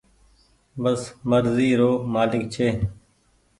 بس مرزي رو مآلڪ ڇي۔